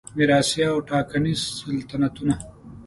میراثي او ټاکنیز سلطنتونه